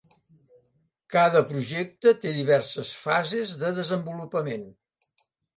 Cada projecte té diverses fases de desenvolupament.